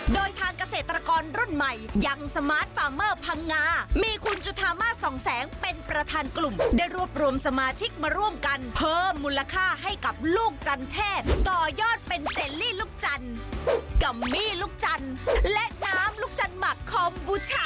โดยทางเกษตรกรรุ่นใหม่ยังสมาร์ทฟาร์เมอร์พังงามีคุณจุธามาส่องแสงเป็นประธานกลุ่มได้รวบรวมสมาชิกมาร่วมกันเพิ่มมูลค่าให้กับลูกจันเทศต่อยอดเป็นเซลลี่ลูกจันทร์กัมมี่ลูกจันทร์และน้ำลูกจันหมักคอมบูชา